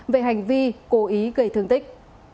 về hành vi cố ý gây thương tích